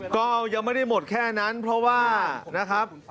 ก็ยังไม่ได้หมดแค่นั้นเพราะว่านะครับ